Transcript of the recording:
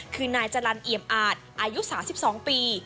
คือนายจรรย์เหยียบอาจอายุสาว๑๒ปี